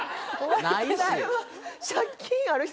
ないし！